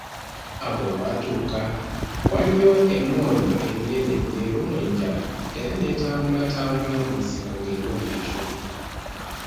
Awo olwatuuka, waliyo emmondo ennene ng'erumwa enjala, era n'etambula tambula mu nsiko ng'enoonya eky'okulya.